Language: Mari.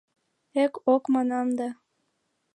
Эк-ок манам да